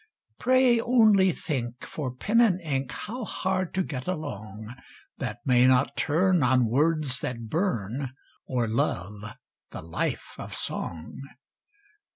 Pray only think, for pen and ink How hard to get along, That may not turn on words that burn Or Love, the life of song!